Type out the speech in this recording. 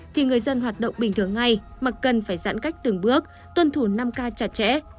thì người dân hoạt động bình thường ngay mà cần phải giãn cách từng bước tuân thủ năm k chặt chẽ